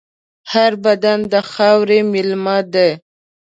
هر بدن د خاورې مېلمه دی.